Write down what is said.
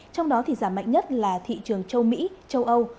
trong đó thì giảm mạnh nhất là thị trường châu mỹ châu âu